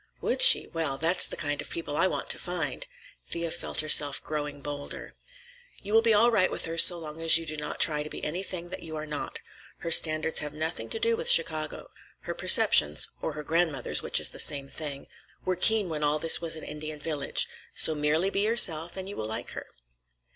"Would she? Well, that's the kind of people I want to find." Thea felt herself growing bolder. "You will be all right with her so long as you do not try to be anything that you are not. Her standards have nothing to do with Chicago. Her perceptions—or her grandmother's, which is the same thing—were keen when all this was an Indian village. So merely be yourself, and you will like her.